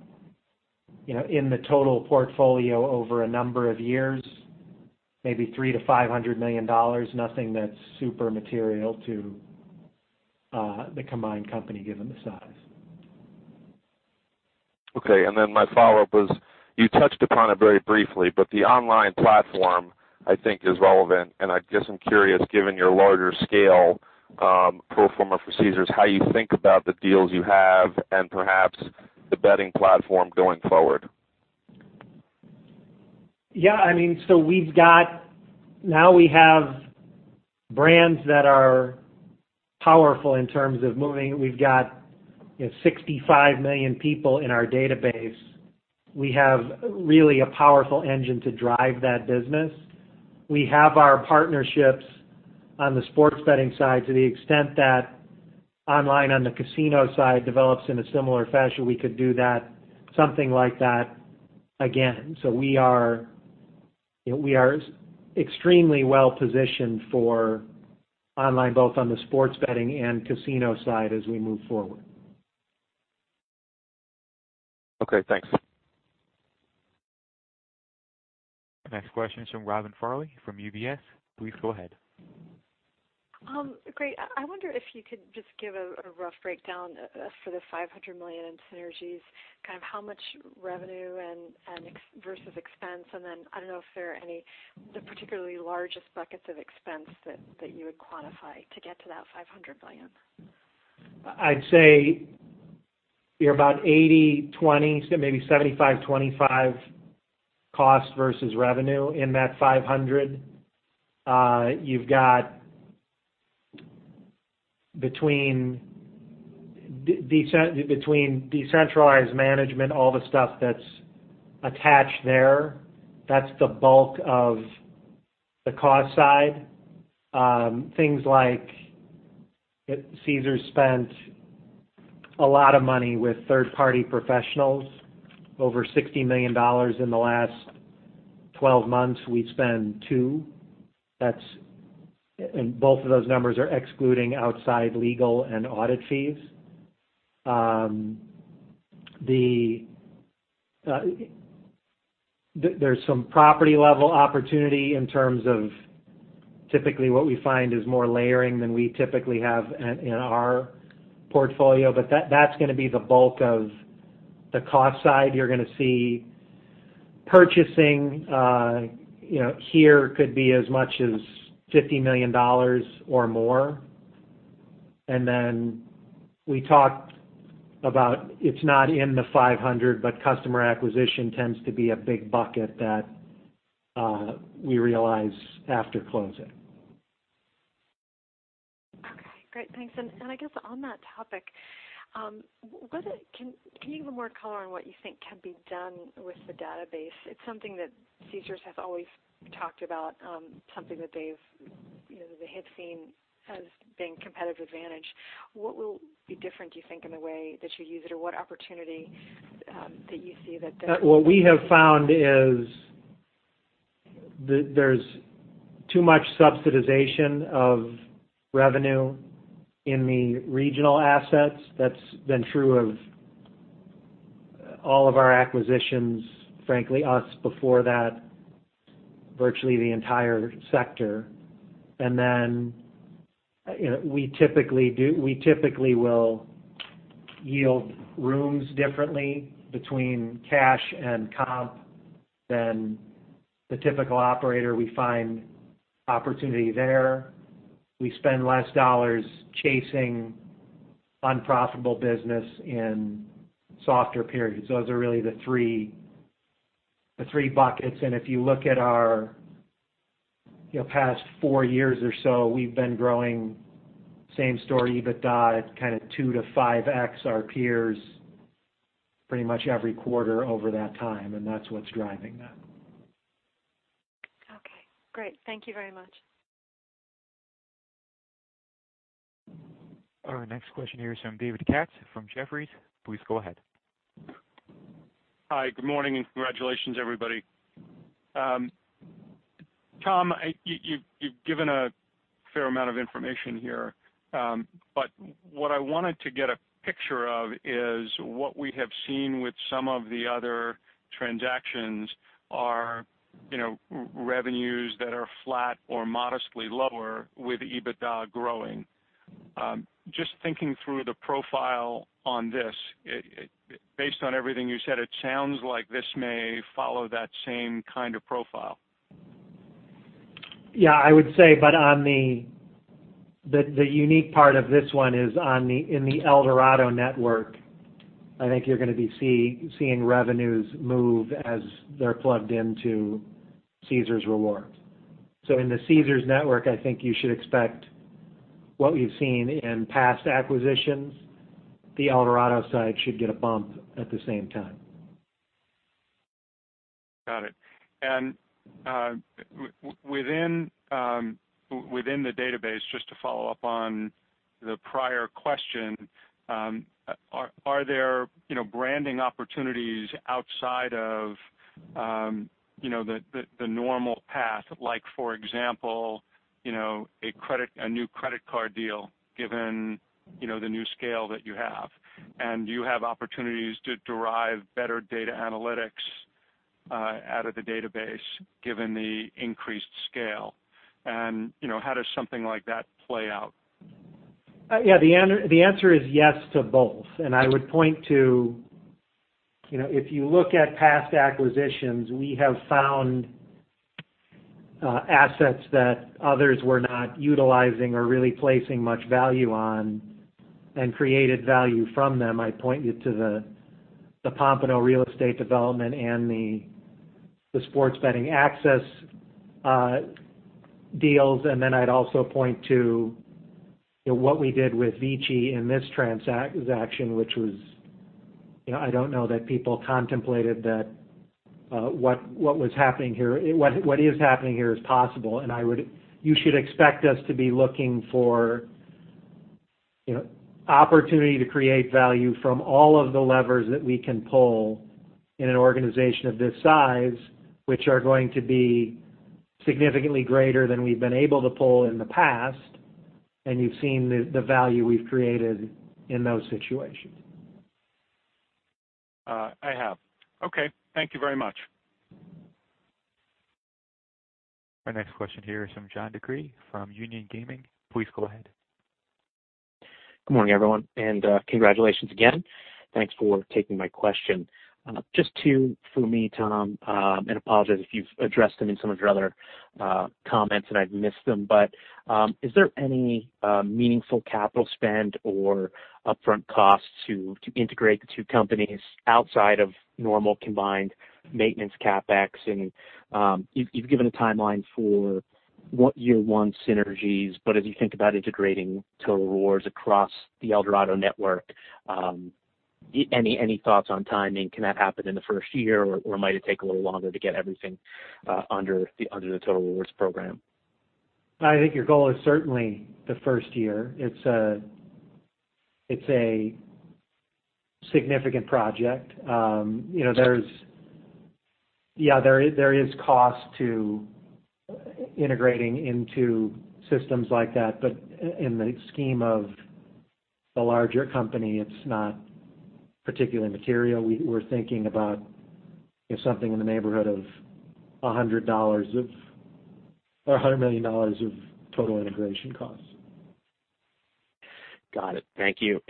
in the total portfolio over a number of years, maybe $300 million-$500 million. Nothing that's super material to the combined company given the size. Okay. My follow-up was, you touched upon it very briefly, the online platform, I think, is relevant. I guess I'm curious, given your larger scale pro forma for Caesars, how you think about the deals you have and perhaps the betting platform going forward. Yeah. We have brands that are powerful in terms of moving. We've got 65 million people in our database. We have really a powerful engine to drive that business. We have our partnerships on the sports betting side to the extent that online on the casino side develops in a similar fashion, we could do something like that again. We are extremely well-positioned for online, both on the sports betting and casino side as we move forward. Okay, thanks. Next question is from Robin Farley from UBS. Please go ahead. Great. I wonder if you could just give a rough breakdown for the $500 million in synergies, how much revenue versus expense, and then I don't know if there are any of the particularly largest buckets of expense that you would quantify to get to that $500 million. I'd say you're about 80/20, maybe 75/25 cost versus revenue in that $500. You've got between decentralized management, all the stuff that's attached there, that's the bulk of the cost side. Things like Caesars spent a lot of money with third-party professionals, over $60 million in the last 12 months. We spend two. Both of those numbers are excluding outside legal and audit fees. There's some property-level opportunity in terms of typically what we find is more layering than we typically have in our portfolio, but that's going to be the bulk of the cost side. You're going to see purchasing here could be as much as $50 million or more. We talked about, it's not in the $500, but customer acquisition tends to be a big bucket that we realize after closing. Okay, great. Thanks. I guess on that topic, can you give a more color on what you think can be done with the database? It's something that Caesars has always talked about, something that they've seen as being competitive advantage. What will be different, do you think, in the way that you use it, or what opportunity that you see? What we have found is there's too much subsidization of revenue in the regional assets. That's been true of all of our acquisitions, frankly, us before that, virtually the entire sector. We typically will yield rooms differently between cash and comp than the typical operator. We find opportunity there. We spend less dollars chasing unprofitable business in softer periods. Those are really the three buckets. If you look at our past four years or so, we've been growing same story, EBITDA at kind of two to five X our peers pretty much every quarter over that time, and that's what's driving that. Okay, great. Thank you very much. Our next question here is from David Katz from Jefferies. Please go ahead. Hi, good morning. Congratulations, everybody. Tom, you've given a fair amount of information here. What I wanted to get a picture of is what we have seen with some of the other transactions are revenues that are flat or modestly lower with EBITDA growing. Just thinking through the profile on this, based on everything you said, it sounds like this may follow that same kind of profile. Yeah, I would say. The unique part of this one is in the Eldorado network, I think you're going to be seeing revenues move as they're plugged into Caesars Rewards. In the Caesars network, I think you should expect. What we've seen in past acquisitions, the Eldorado side should get a bump at the same time. Got it. Within the database, just to follow up on the prior question, are there branding opportunities outside of the normal path? Like for example, a new credit card deal, given the new scale that you have. Do you have opportunities to derive better data analytics out of the database, given the increased scale? How does something like that play out? Yeah. The answer is yes to both. I would point to, if you look at past acquisitions, we have found assets that others were not utilizing or really placing much value on and created value from them. I'd point you to the Pompano real estate development and the sports betting Access deals. Then I'd also point to what we did with Vici in this transaction, which was, I don't know that people contemplated that what is happening here is possible. You should expect us to be looking for opportunity to create value from all of the levers that we can pull in an organization of this size, which are going to be significantly greater than we've been able to pull in the past. You've seen the value we've created in those situations. I have. Okay. Thank you very much. Our next question here is from John DeCree from Union Gaming. Please go ahead. Good morning, everyone, and congratulations again. Thanks for taking my question. Just two for me, Tom, apologize if you've addressed them in some of your other comments and I've missed them. Is there any meaningful capital spend or upfront costs to integrate the two companies outside of normal combined maintenance CapEx? You've given a timeline for what year-one synergies, but as you think about integrating Caesars Rewards across the Eldorado network, any thoughts on timing? Can that happen in the first year, or might it take a little longer to get everything under the Caesars Rewards program? I think your goal is certainly the first year. It's a significant project. There is cost to integrating into systems like that. In the scheme of the larger company, it's not particularly material. We're thinking about something in the neighborhood of $100 million of total integration costs. Got it. Thank you.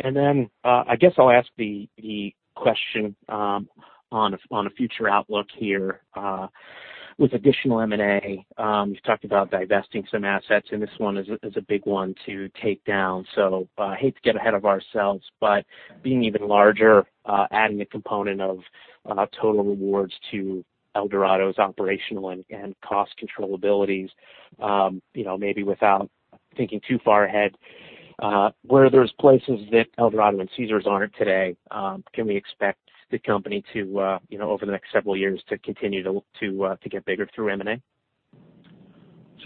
I guess I'll ask the question on a future outlook here, with additional M&A. You've talked about divesting some assets, this one is a big one to take down. I hate to get ahead of ourselves, but being even larger, adding a component of Caesars Rewards to Eldorado's operational and cost control abilities, maybe without thinking too far ahead, where there's places that Eldorado and Caesars aren't today, can we expect the company to, over the next several years, to continue to get bigger through M&A?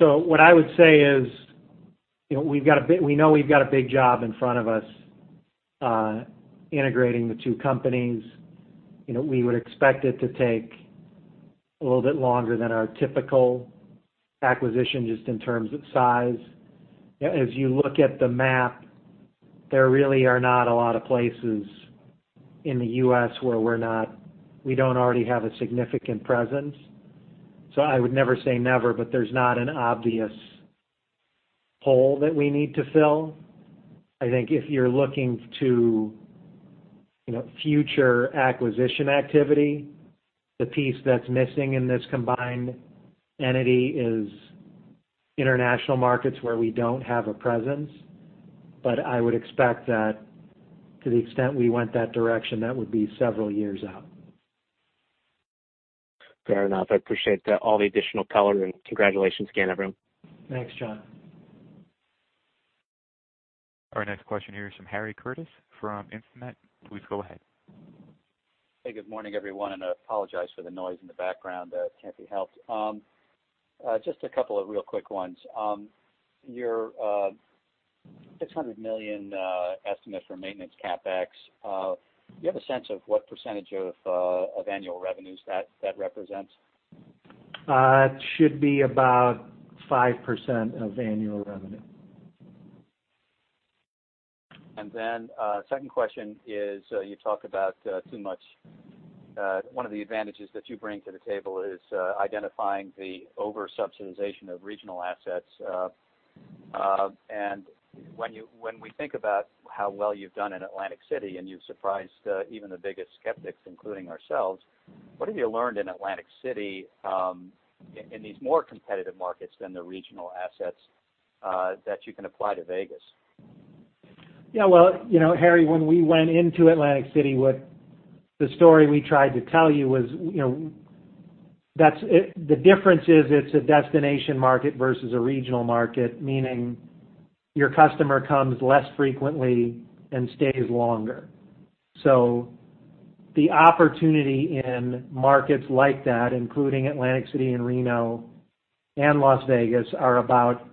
What I would say is, we know we've got a big job in front of us integrating the two companies. We would expect it to take a little bit longer than our typical acquisition, just in terms of size. As you look at the map, there really are not a lot of places in the U.S. where we don't already have a significant presence. I would never say never, but there's not an obvious hole that we need to fill. I think if you're looking to future acquisition activity, the piece that's missing in this combined entity is international markets where we don't have a presence. I would expect that to the extent we went that direction, that would be several years out. Fair enough. I appreciate all the additional color and congratulations again, everyone. Thanks, John. Our next question here is from Harry Curtis from Instinet. Please go ahead. Hey, good morning, everyone. I apologize for the noise in the background. It can't be helped. Just a couple of real quick ones. Your $600 million estimate for maintenance CapEx, do you have a sense of what % of annual revenues that represents? It should be about 5% of annual revenue. Second question is, you talk about one of the advantages that you bring to the table is identifying the over-subsidization of regional assets. When we think about how well you've done in Atlantic City, and you've surprised even the biggest skeptics, including ourselves, what have you learned in Atlantic City, in these more competitive markets than the regional assets, that you can apply to Vegas? Yeah, well, Harry, when we went into Atlantic City, the story we tried to tell you was, the difference is it's a destination market versus a regional market, meaning your customer comes less frequently and stays longer. The opportunity in markets like that, including Atlantic City and Reno and Las Vegas, are about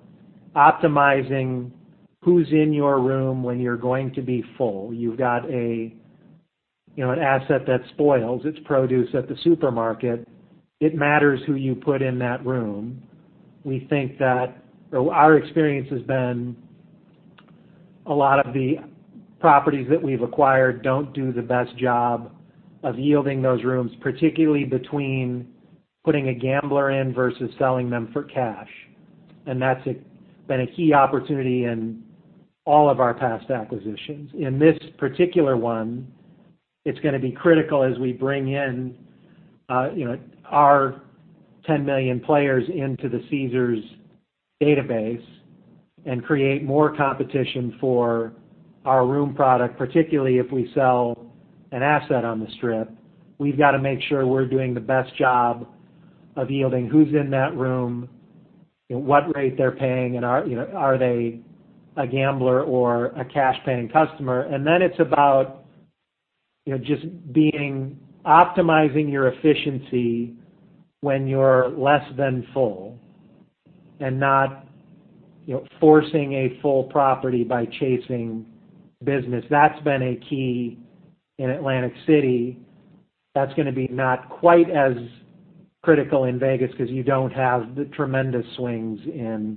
optimizing who's in your room when you're going to be full. You've got an asset that spoils. It's produce at the supermarket. It matters who you put in that room. Our experience has been a lot of the properties that we've acquired don't do the best job of yielding those rooms, particularly between putting a gambler in versus selling them for cash. That's been a key opportunity in all of our past acquisitions. In this particular one, it's going to be critical as we bring in our 10 million players into the Caesars database and create more competition for our room product, particularly if we sell an asset on the Strip. We've got to make sure we're doing the best job of yielding who's in that room, what rate they're paying, and are they a gambler or a cash-paying customer? Then it's about just optimizing your efficiency when you're less than full and not forcing a full property by chasing business. That's been a key in Atlantic City. That's going to be not quite as critical in Vegas because you don't have the tremendous swings in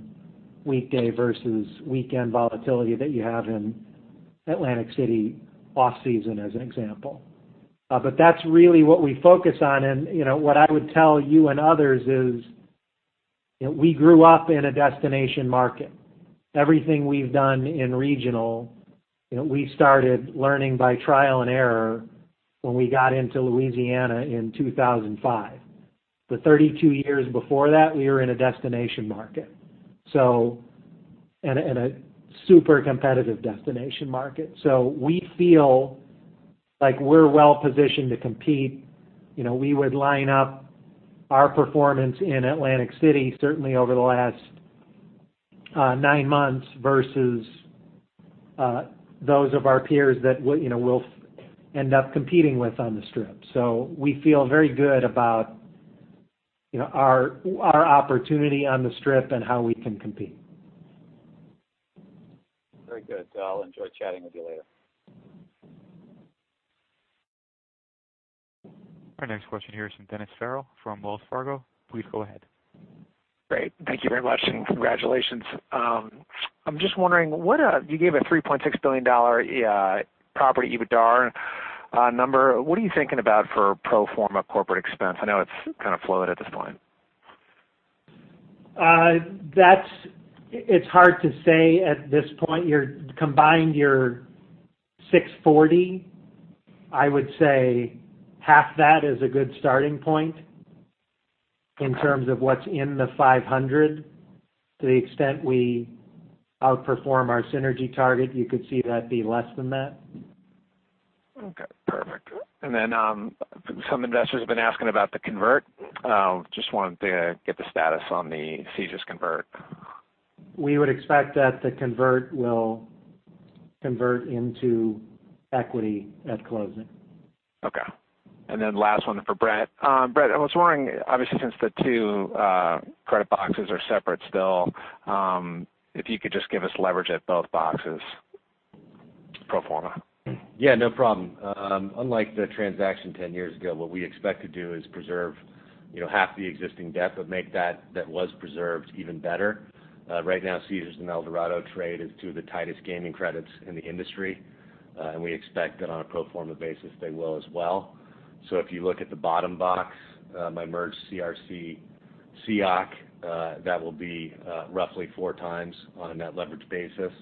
weekday versus weekend volatility that you have in Atlantic City off-season, as an example. That's really what we focus on, and what I would tell you and others is we grew up in a destination market. Everything we've done in regional, we started learning by trial and error when we got into Louisiana in 2005. The 32 years before that, we were in a destination market, and a super competitive destination market. We feel like we're well-positioned to compete. We would line up our performance in Atlantic City, certainly over the last nine months, versus those of our peers that we'll end up competing with on the Strip. We feel very good about our opportunity on the Strip and how we can compete. Very good. I'll enjoy chatting with you later. Our next question here is from Dennis Farrell from Wells Fargo. Please go ahead. Great. Thank you very much, and congratulations. I'm just wondering, you gave a $3.6 billion property EBITDAR number. What are you thinking about for pro forma corporate expense? I know it's kind of fluid at this point. It's hard to say at this point. You combined your 640. I would say half that is a good starting point in terms of what's in the 500. To the extent we outperform our synergy target, you could see that be less than that. Okay, perfect. Some investors have been asking about the convert. Just wanted to get the status on the Caesars convert. We would expect that the convert will convert into equity at closing. Okay. Last one for Bret. Bret, I was wondering, obviously, since the two credit boxes are separate still, if you could just give us leverage at both boxes pro forma. Yeah, no problem. Unlike the transaction 10 years ago, what we expect to do is preserve half the existing debt, make that was preserved even better. Right now, Caesars and Eldorado trade is two of the tightest gaming credits in the industry. We expect that on a pro forma basis, they will as well. If you look at the bottom box, my merged CRC, SEOC, that will be roughly four times on a net leverage basis.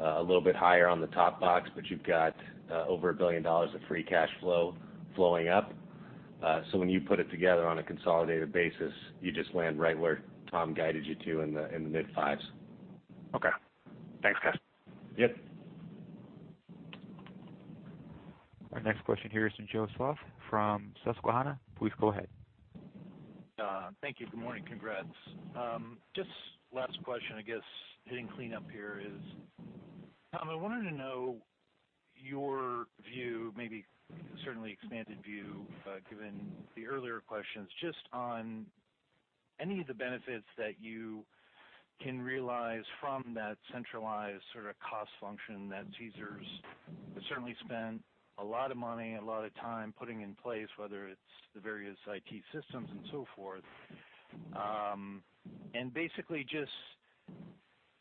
A little bit higher on the top box, you've got over $1 billion of free cash flow flowing up. When you put it together on a consolidated basis, you just land right where Tom guided you to in the mid-fives. Okay. Thanks, guys. Yep. Our next question here is from Joseph Stauff from Susquehanna. Please go ahead. Thank you. Good morning. Congrats. Just last question, I guess, hitting cleanup here is, Tom, I wanted to know your view, maybe certainly expanded view, given the earlier questions, just on any of the benefits that you can realize from that centralized sort of cost function that Caesars has certainly spent a lot of money, a lot of time putting in place, whether it's the various IT systems and so forth. Basically just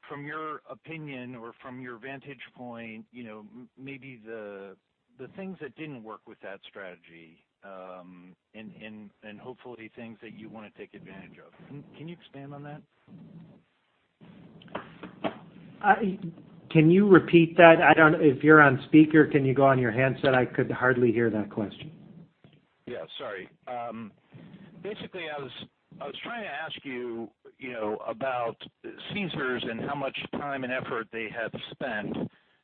from your opinion or from your vantage point, maybe the things that didn't work with that strategy, and hopefully things that you want to take advantage of. Can you expand on that? Can you repeat that? If you're on speaker, can you go on your handset? I could hardly hear that question. Yeah, sorry. Basically, I was trying to ask you about Caesars and how much time and effort they have spent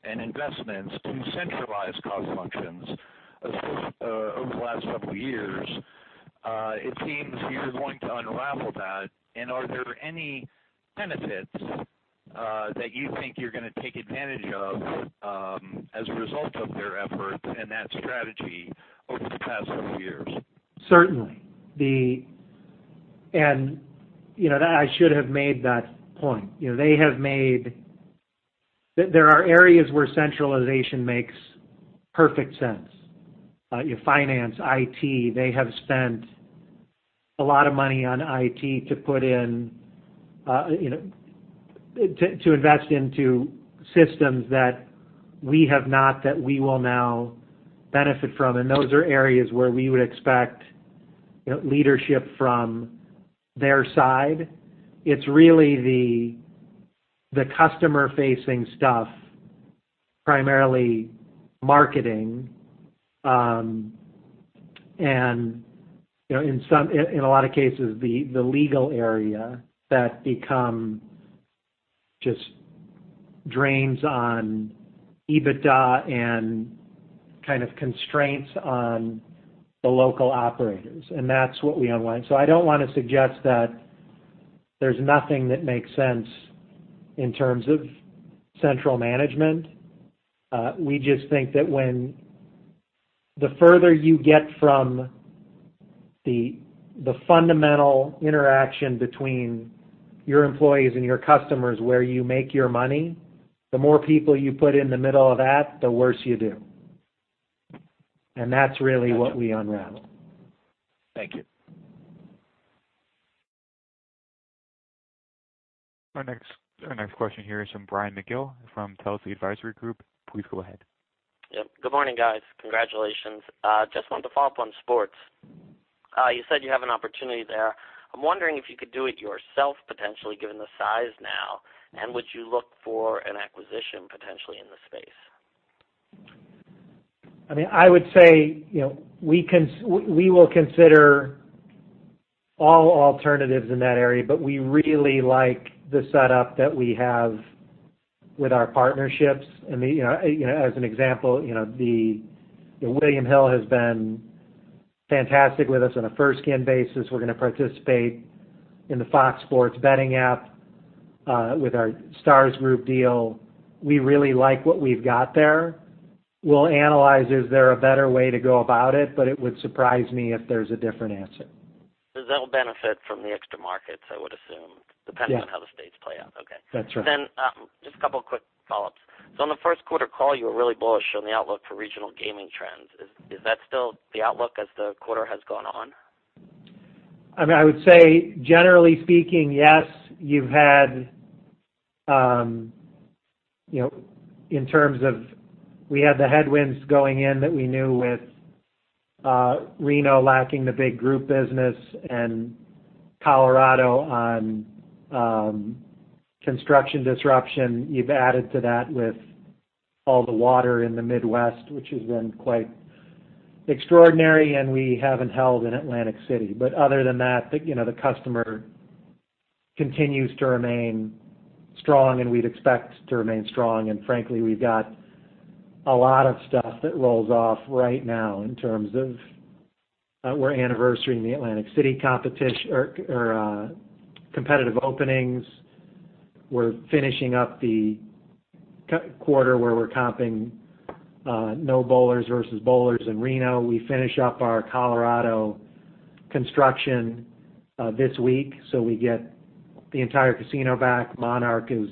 and investments to centralize core functions over the last couple of years. It seems you're going to unravel that. Are there any benefits that you think you're going to take advantage of as a result of their efforts and that strategy over the past couple of years? Certainly. I should have made that point. There are areas where centralization makes perfect sense. Finance, IT. They have spent a lot of money on IT to invest into systems that we have not, that we will now benefit from. Those are areas where we would expect leadership from their side. It's really the customer-facing stuff, primarily marketing, and in a lot of cases, the legal area that become just drains on EBITDA and kind of constraints on the local operators. That's what we unwind. I don't want to suggest that there's nothing that makes sense in terms of central management. We just think that the further you get from the fundamental interaction between your employees and your customers where you make your money, the more people you put in the middle of that, the worse you do. That's really what we unravel. Thank you. Our next question here is from Brian McGill from Telsey Advisory Group. Please go ahead. Yep. Good morning, guys. Congratulations. Just wanted to follow up on sports. You said you have an opportunity there. I'm wondering if you could do it yourself potentially, given the size now, and would you look for an acquisition potentially in the space? I would say, we will consider all alternatives in that area, but we really like the setup that we have with our partnerships. As an example, William Hill has been fantastic with us on a first-skin basis. We're going to participate in the Fox Sports betting app with our Stars Group deal. We really like what we've got there. We'll analyze if there a better way to go about it, but it would surprise me if there's a different answer. That'll benefit from the extra markets, I would assume. Yeah depending on how the states play out. Okay. That's right. Just a couple of quick follow-ups. On the first quarter call, you were really bullish on the outlook for regional gaming trends. Is that still the outlook as the quarter has gone on? I would say, generally speaking, yes. We had the headwinds going in that we knew with Reno lacking the big group business and Colorado on construction disruption. You've added to that with all the water in the Midwest, which has been quite extraordinary, and we haven't held in Atlantic City. Other than that, the customer continues to remain strong and we'd expect to remain strong. Frankly, we've got a lot of stuff that rolls off right now in terms of we're anniversarying the Atlantic City competitive openings. We're finishing up the quarter where we're comping no bowlers versus bowlers in Reno. We finish up our Colorado construction this week, we get the entire casino back. Monarch has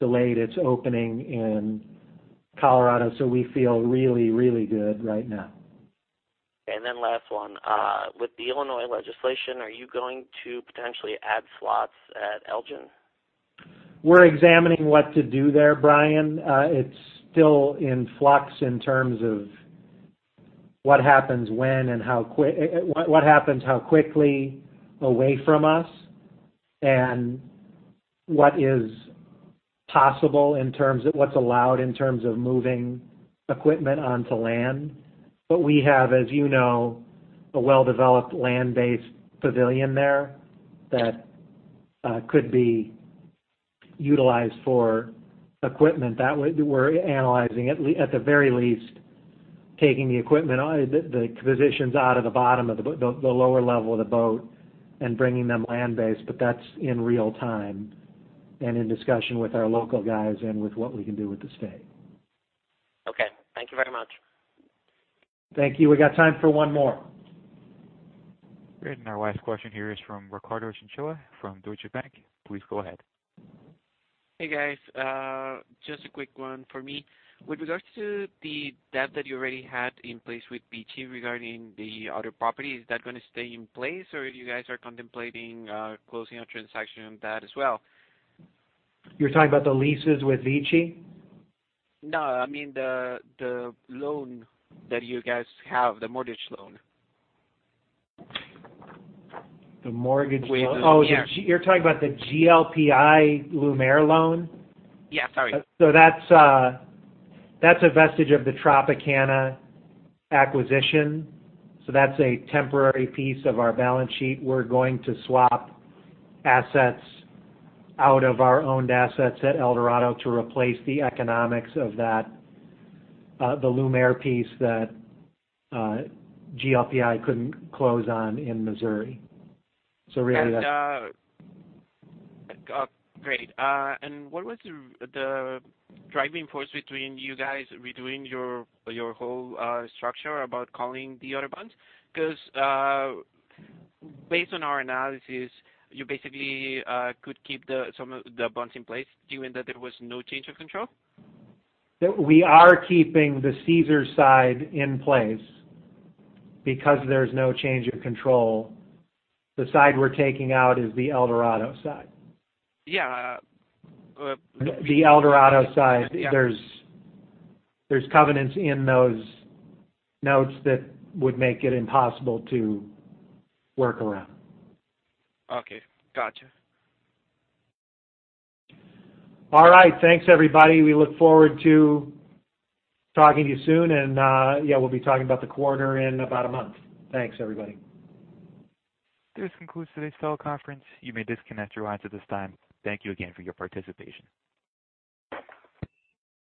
delayed its opening in Colorado, we feel really, really good right now. Okay, last one. With the Illinois legislation, are you going to potentially add slots at Elgin? We're examining what to do there, Brian. It's still in flux in terms of what happens when and how quickly away from us, and what's allowed in terms of moving equipment onto land. We have, as you know, a well-developed land-based pavilion there that could be utilized for equipment that we're analyzing. At the very least, taking the equipment, the positions out of the bottom of the lower level of the boat and bringing them land-based. That's in real time and in discussion with our local guys and with what we can do with the state. Okay. Thank you very much. Thank you. We got time for one more. Great. Our last question here is from Ricardo Chinchilla from Deutsche Bank. Please go ahead. Hey, guys. Just a quick one for me. With regards to the debt that you already had in place with GLPI regarding the other property, is that going to stay in place, or you guys are contemplating closing a transaction on that as well? You're talking about the leases with VICI? No, I mean the loan that you guys have, the mortgage loan. The mortgage loan? With Lumiere. Oh, you're talking about the GLPI Lumiere loan? Yeah, sorry. That's a vestige of the Tropicana acquisition. That's a temporary piece of our balance sheet. We're going to swap assets out of our owned assets at Eldorado to replace the economics of the Lumiere piece that GLPI couldn't close on in Missouri. Great. What was the driving force between you guys redoing your whole structure about calling the other bonds? Because, based on our analysis, you basically could keep some of the bonds in place, given that there was no change of control. We are keeping the Caesars side in place because there's no change of control. The side we're taking out is the Eldorado side. Yeah. The Eldorado side, there's covenants in those notes that would make it impossible to work around. Okay, gotcha. All right. Thanks, everybody. We look forward to talking to you soon. Yeah, we'll be talking about the quarter in about a month. Thanks, everybody. This concludes today's teleconference. You may disconnect your lines at this time. Thank you again for your participation.